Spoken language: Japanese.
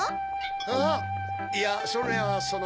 あいやそれはその。